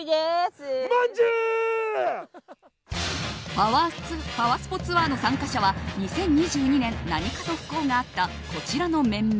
パワスポツアーの参加者は２０２２年何かと不幸があったこちらの面々。